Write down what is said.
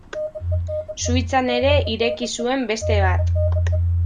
Suitzan ere ireki zuen beste bat.